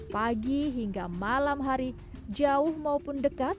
pagi hingga malam hari jauh maupun dekat